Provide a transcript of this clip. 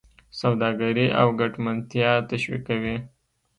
سوداګري او ګټمنتیا تشویقوي.